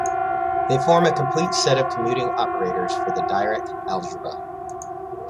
They form a complete set of commuting operators for the Dirac algebra.